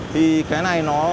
thì cái này nó